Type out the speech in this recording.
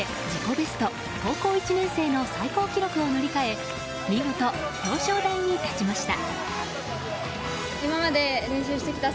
ベスト高校１年生の最高記録を塗り替え見事、表彰台に立ちました。